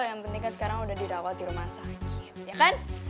yang penting kan sekarang udah dirawat di rumah sakit ya kan